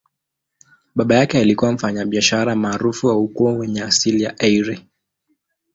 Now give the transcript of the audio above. Baba yake alikuwa mfanyabiashara maarufu wa ukoo wenye asili ya Eire.